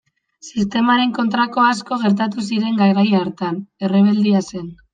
Sistemaren kontrako asko gertatu ziren garai hartan, errebeldia zen.